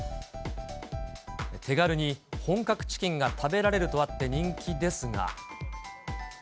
手軽に本格チキンが食べられるとあって人気ですが。